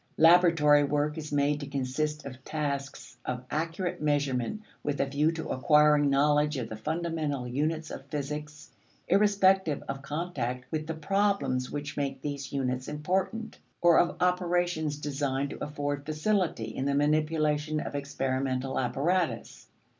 Laboratory work is made to consist of tasks of accurate measurement with a view to acquiring knowledge of the fundamental units of physics, irrespective of contact with the problems which make these units important; or of operations designed to afford facility in the manipulation of experimental apparatus.